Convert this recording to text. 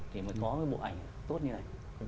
thì mới có cái bộ ảnh tốt như thế này